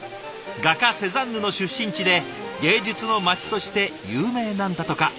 画家セザンヌの出身地で芸術の街として有名なんだとか。